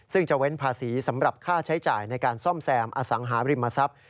ซึ่งจะเว้นภาษีสำหรับค่าใช้จ่ายในการซ่อมแซมอสังหาริมทรัพย์